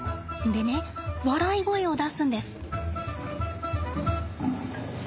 でね笑い声を出すんです。